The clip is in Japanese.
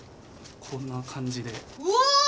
こんな感じでうわ